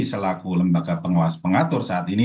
selaku lembaga pengawas pengatur saat ini